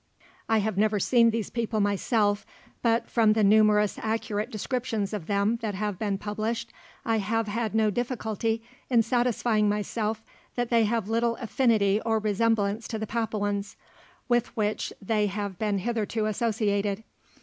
I have never seen these people myself, but from the numerous accurate descriptions of them that have been published, I have had no difficulty in satisfying myself that they have little affinity or resemblance to the Papuans, with which they have been hitherto associated.